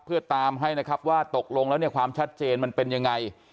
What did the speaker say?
เพื่อตามให้ว่าตกลงแล้วความชัดเจนมันเป็นยังไง